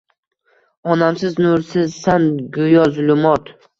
Onamsiz nursizsan guyo zulumot